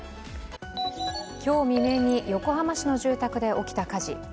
今日未明に横浜市の住宅で起きた火事。